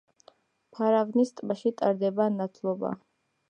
ფარავნის ტბაში ტარდება ნათლობა.